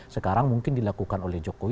sekarang mungkin dilakukan oleh jokowi